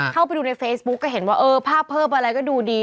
เข้าไปดูในเฟซบุ๊กก็เห็นว่าเออภาพเพิ่มอะไรก็ดูดี